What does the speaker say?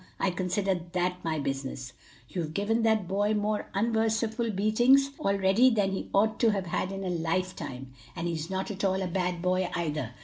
I consider that my business. You've given that boy more unmerciful beatings already than he ought to have had in a lifetime, and he not at all a bad boy either.